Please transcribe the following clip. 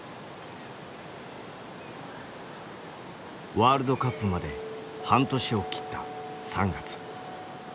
ワールドカップまで半年を切った３月。